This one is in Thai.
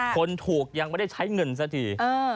คนถูกยังไม่ได้ใช้เงินสักที